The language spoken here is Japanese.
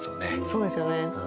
そうですよね。